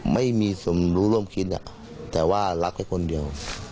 ไม่มีส่วนรู้ร่วมคิดแต่ว่ารักแค่คนเดียว